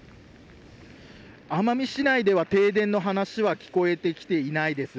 奄美市内では停電の話は聞こえてきていないです。